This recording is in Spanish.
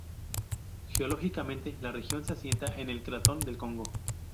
Geológicamente la región se asienta en el Cratón del Congo.